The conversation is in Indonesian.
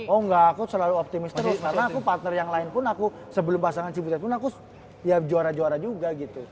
oh enggak aku selalu optimis terus karena aku partner yang lain pun aku sebelum pasangan cibutet pun aku ya juara juara juga gitu